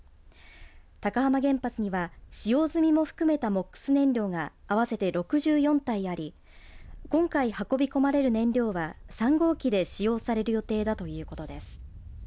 高浜原発には使用済みも含めたＭＯＸ燃料が合わせて６４体あり今回、運び込まれる燃料は３号機で使用される予定だということです。